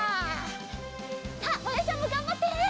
さあまやちゃんもがんばって！